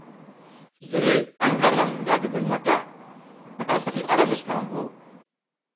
Ziriy anta ram nga dubun mata, asi ara muskamvu.